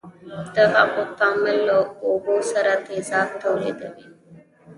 د هغو تعامل له اوبو سره تیزاب تولیدوي.